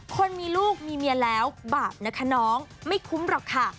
คนมีลูกมีเมียแล้วบาปนะคะน้องไม่คุ้มหรอกค่ะ